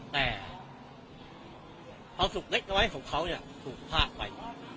แต่ความสุขเล็กน้อยของเขาถูกพลาดไป